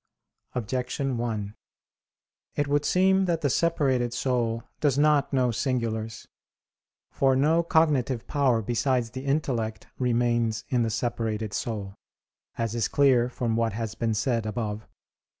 Objection 1: It would seem that the separated soul does not know singulars. For no cognitive power besides the intellect remains in the separated soul, as is clear from what has been said above (Q.